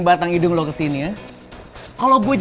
udah langsung disambut sama si cewe asongan aja